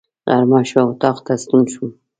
غرمه شوه، اطاق ته ستون شوم.